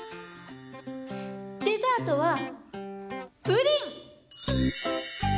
デザートはプリン！